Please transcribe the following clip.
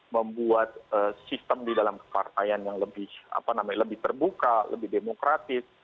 membuat sistem di dalam kepartaian yang lebih terbuka lebih demokratis